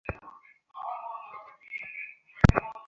খেলাধুলার জগতে এ ব্যাপারে সবার শীর্ষে আছেন ক্রিস্টিয়ানো রোনালদো।